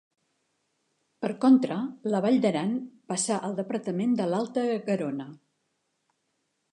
Per contra, la Vall d'Aran passà al departament de l'Alta Garona.